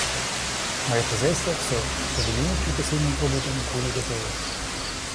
Мое хозяйство всё, чтобы денежки к осенним податям были готовы.